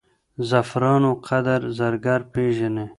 زعفرانو قدر زرګر پېژني.